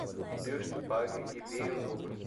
Deus te pague e dê em dobro